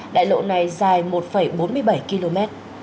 đại lộ này dài một bốn mươi bảy km